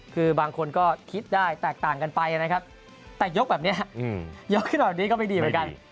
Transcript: คือบางคนก็คิดได้แตกต่างกันไปนะครับแต่ยกแบบนี้ยกขึ้นแบบนี้ก็ไม่ดีเหมือนกัน